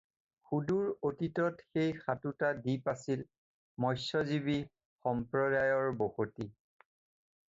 সুদূৰ অতীতত সেই সাতোটা দ্বীপ আছিল মৎস্যজীবী সম্প্ৰদায়ৰ বসতি।